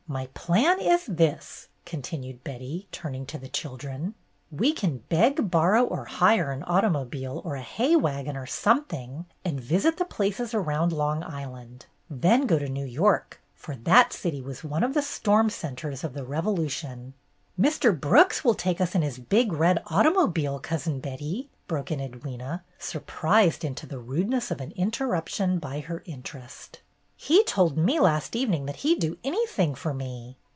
"My plan is this," continued Betty, turning to the children: "we 184 BETTY BAIRD'S GOLDEN YEAR can beg, borrow, or hire an automobile or a hay wagon or something, and visit the places around Long Island, then go to New York, for that city was one of the storm centres of the Revolution." "Mr. Brooks will take us in his big red automobile. Cousin Betty," broke in Edwyna, surprised into the rudeness of an interruption by her interest. "He told me last evening that he M do anything for me."